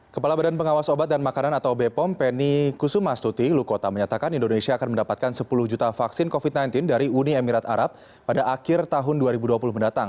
kepala badan pengawas obat dan makanan atau bepom penny kusuma stuti lukota menyatakan indonesia akan mendapatkan sepuluh juta vaksin covid sembilan belas dari uni emirat arab pada akhir tahun dua ribu dua puluh mendatang